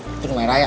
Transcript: itu rumah raya